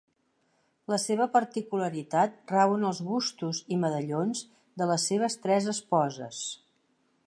La seva particularitat rau en els bustos i medallons de les seves tres esposes.